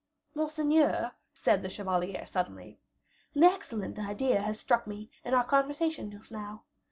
"Monseigneur," said the chevalier, suddenly, "an excellent idea has struck me, in our conversation just now.